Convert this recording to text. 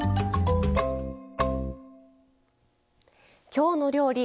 「きょうの料理」